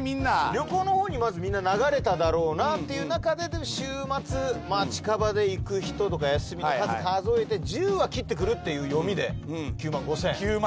旅行の方にまずみんな流れただろうなという中で週末近場で行く人とか休みの数数えて１０は切ってくるっていう読みで９万５，０００円。